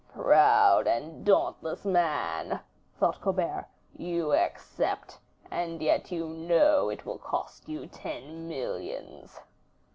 "Proud and dauntless man," thought Colbert, "you accept, and yet you know it will cost you ten millions."